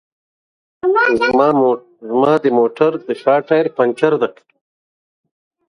However, the current Scheldt-Rhine Canal mostly follows the ancient path of the Striene.